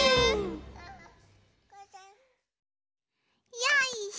よいしょ。